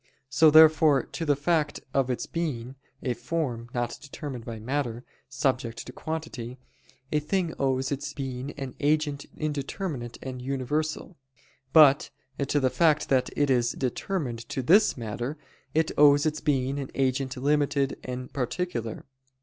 So therefore to the fact of its being a form not determined by matter subject to quantity, a thing owes its being an agent indeterminate and universal: but to the fact that it is determined to this matter, it owes its being an agent limited and particular.